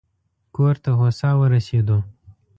کور ته هوسا ورسېدو.